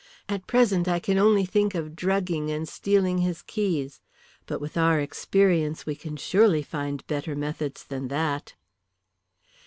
At present I can only think of drugging and stealing his keys. But with our experience we can surely find better methods than that."